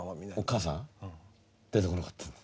母さん？出てこなかったんだ。